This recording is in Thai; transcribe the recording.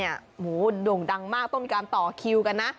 โอ้โหโด่งดังมากต้องมีการต่อคิวกันนะ